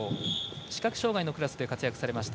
視覚障がいのクラスで活躍されました